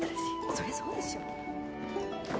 そりゃそうでしょ